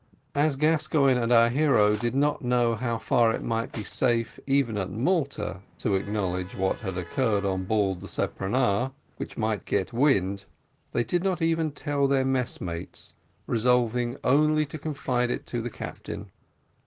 As Gascoigne and our hero did not know how far it might be safe, even at Malta, to acknowledge to what occurred on board the speronare, which might get wind, they did not even tell their messmates, resolving only to confide it to the captain.